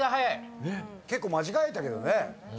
結構間違えたけどね。